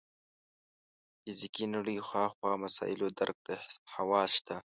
فزیکي نړۍ هاخوا مسایلو درک ته حواس شته.